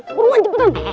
bangun buruan cepetan